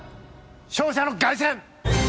勝者の凱旋！